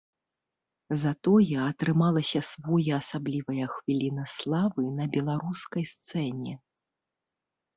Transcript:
Затое атрымалася своеасаблівая хвіліна славы на беларускай сцэне.